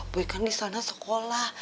boy kan disana sekolah